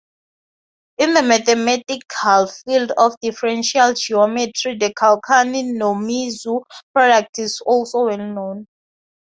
In the mathematical field of differential geometry the Kulkarni-Nomizu product is also well known.